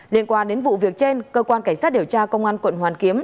liên quan đến vụ việc trên cơ quan cảnh sát điều tra công an quận hoàn kiếm